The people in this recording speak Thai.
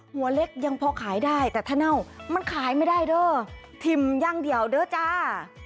หัวเล็กยังพอขายได้แต่ถ้าเน่ามันขายไม่ได้เด้อทิ่มอย่างเดียวเด้อจ้า